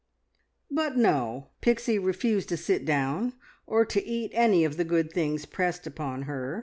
But no, Pixie refused to sit down or to eat any of the good things pressed upon her.